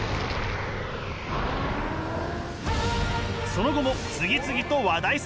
その後も次々と話題作を連発。